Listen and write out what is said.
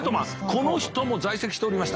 この人も在籍しておりました。